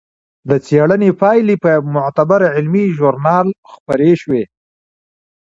د څېړنې پایلې په معتبر علمي ژورنال خپرې شوې.